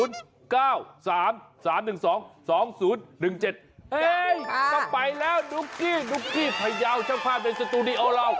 ต้องไปแล้วนุ๊กกี้นุ๊กกี้พยาวช่างภาพในสตูดิโอเรา